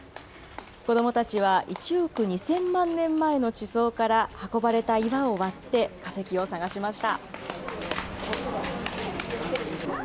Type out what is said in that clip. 子どもたちは１億２０００万年前の地層から運ばれた岩を割って化石を探しました。